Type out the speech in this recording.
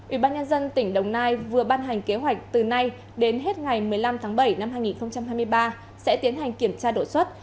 ủy ban nhân dân tỉnh đồng nai vừa ban hành kế hoạch từ nay đến hết ngày một mươi năm tháng bảy năm hai nghìn hai mươi ba sẽ tiến hành kiểm tra đổi xuất